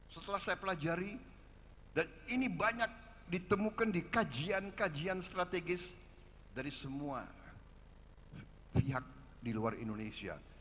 setelah saya pelajari dan ini banyak ditemukan di kajian kajian strategis dari semua pihak di luar indonesia